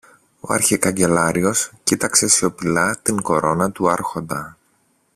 Ο αρχικαγκελάριος κοίταξε σιωπηλά την κορώνα του Άρχοντα